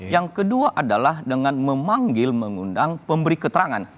yang kedua adalah dengan memanggil mengundang pemberi keterangan